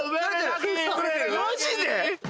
マジで？